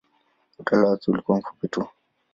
Utawala wake ulikuwa mfupi tu.